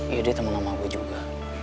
ya dia temen sama gue juga